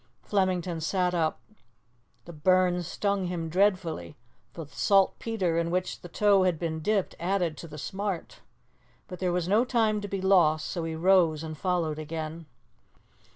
Flemington sat up. The burn stung him dreadfully, for the saltpetre in which the tow had been dipped added to the smart. But there was no time to be lost, so he rose and followed again.